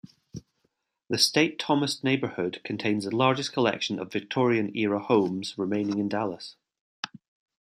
The State Thomas neighborhood contains the largest collection of Victorian-era homes remaining in Dallas.